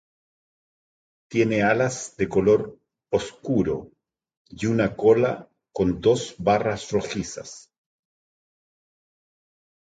Tiene alas de color oscuro y una cola con dos barras rojizas.